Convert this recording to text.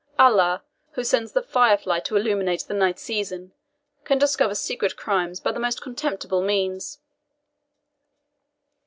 "Allah, who sends the fire fly to illuminate the night season, can discover secret crimes by the most contemptible means."